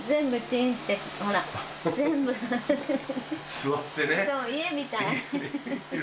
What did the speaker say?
座ってね。